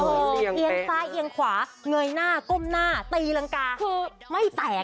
โอ้โหเอียงซ้ายเอียงขวาเงยหน้าก้มหน้าตีรังกาคือไม่แตก